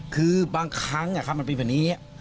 คือบ้างครั้งอย่าครับมันเป็นแบบนี้